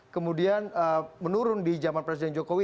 kemudian menurun di zaman presiden jokowi